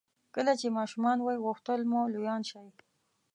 کله چې ماشومان وئ غوښتل مو لویان شئ.